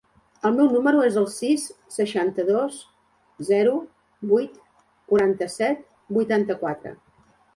El meu número es el sis, seixanta-dos, zero, vuit, quaranta-set, vuitanta-quatre.